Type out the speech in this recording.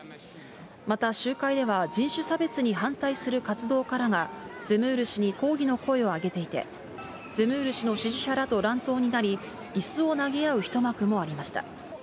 また集会では、人種差別に反対する活動家らが、ゼムール氏に抗議の声を上げていて、ゼムール氏の支持者らと乱闘になり、いすを投げ合う一幕もありました。